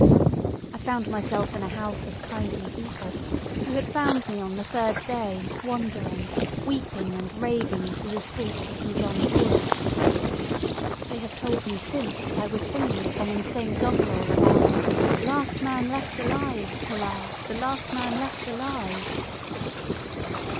I found myself in a house of kindly people, who had found me on the third day wandering, weeping, and raving through the streets of St. John's Wood. They have told me since that I was singing some insane doggerel about "The Last Man Left Alive! Hurrah! The Last Man Left Alive!"